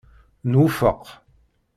Nwufeq.